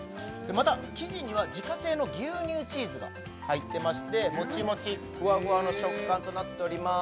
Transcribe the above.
また生地には自家製の牛乳チーズが入ってましてもちもちフワフワの食感となっております